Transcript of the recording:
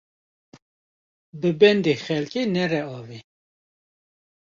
Bi bendê xelkê nere avê